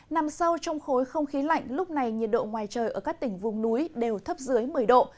nằm sâu trong khối không khí lạnh lúc này nhiệt độ ngoài trời ở các tỉnh vùng núi đều thấp dưới một mươi độ